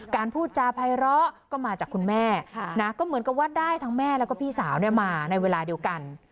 พูดจาภัยร้อก็มาจากคุณแม่นะก็เหมือนกับว่าได้ทั้งแม่แล้วก็พี่สาวมาในเวลาเดียวกัน